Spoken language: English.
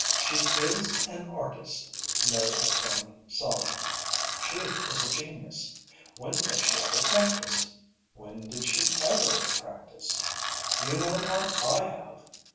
"She is an artist," Mary affirmed solemnly. "She is a genius. When does she ever practise? When did she ever practise? You know how I have.